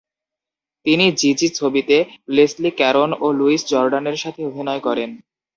তিনি জিজি ছবিতে Leslie Caron ও লুইস জর্ডানের সাথে অভিনয় করেন।